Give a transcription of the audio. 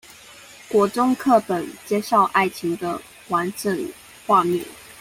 國中課本介紹愛情的完整畫面